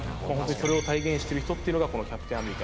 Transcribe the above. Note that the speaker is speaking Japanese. それを体現してる人っていうのがこのキャプテンアメリカ。